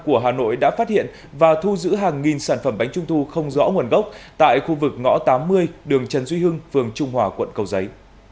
của hà nội đã phát hiện và thu giữ hàng nghìn sản phẩm bánh trung thu không rõ nguồn gốc tại khu vực ngõ tám mươi đường trần duy hưng phường trung hòa quận cầu giấy